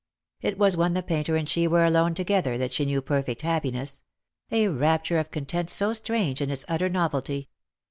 It was when the painter and she were alone together that she knew perfect happiness — a rapture of content so strange in its utter novelty.